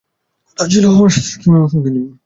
কথা ছিল, আমার স্ত্রীকেও সঙ্গে আনিব।